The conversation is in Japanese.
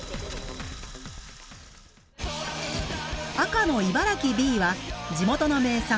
赤の茨城Ｂは地元の名産